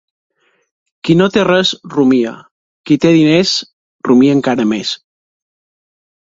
Qui no té res, rumia; qui té diners, rumia encara més.